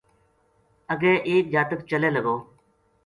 اَگے ایک جاتک چلے لگو